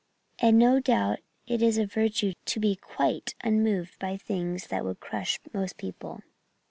And no doubt it is a virtue to be quite unmoved by things that would crush most people."